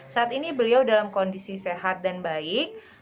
saat ini beliau dalam kondisi sehat dan baik